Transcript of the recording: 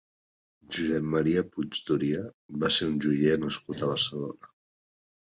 Josep Maria Puig Doria va ser un joier nascut a Barcelona.